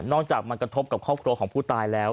จากมันกระทบกับครอบครัวของผู้ตายแล้ว